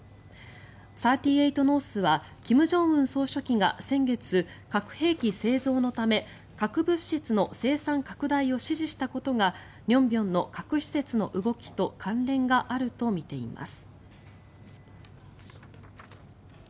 ３８ノースは、金正恩総書記が先月、核兵器製造のため核物質の生産拡大を指示したことが寧辺の核施設の動きと関連があるとみています。